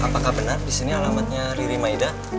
apakah benar disini alamatnya riri maida